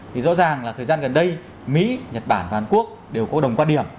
thì rõ ràng là thời gian gần đây mỹ nhật bản và hàn quốc đều có đồng quan điểm